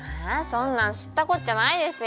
そんなん知ったこっちゃないですよ。